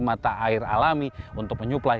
mata air alami untuk menyuplai